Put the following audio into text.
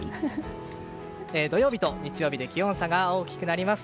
土曜日と日曜日で気温差が大きくなります。